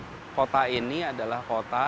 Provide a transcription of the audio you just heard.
jadi kota ini adalah kota